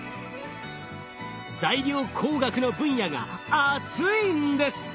材料工学の分野が熱いんです！